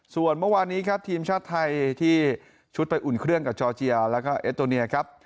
ส่วนเมื่อวานนี้ครับทีมชาติไทยที่ชุดไปอุ่นเครื่องกับจอร์เจียแล้วก็เอสโตเนียครับ